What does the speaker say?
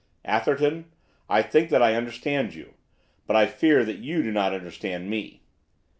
'Atherton, I think that I understand you, but I fear that you do not understand me.